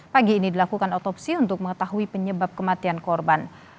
pagi ini dilakukan otopsi untuk mengetahui penyebab kematian korban